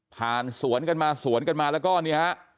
ผ่านสวนกันมาสวนกันมาแล้วก็เนี่ยฮะ